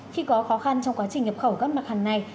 khi có khó khăn trong quá trình nhập khẩu các mặt hàng này